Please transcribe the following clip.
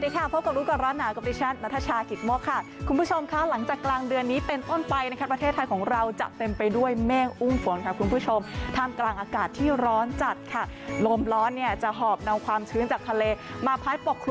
ทุกท่านค่ะคุณผู้ชมค่ะหลังจากกลางเดือนนี้เป็นต้นไปนะคะประเทศไทยของเราจะเต็มไปด้วยแม่งอุ้งฝนค่ะคุณผู้ชมท่านกลางอากาศที่ร้อนจัดค่ะลมร้อนเนี่ยจะหอบนำความชื้นจากทะเลมาพร้อยปก